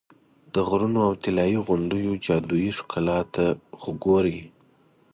د غرونو او طلایي غونډیو جادویي ښکلا ته خو ګورې.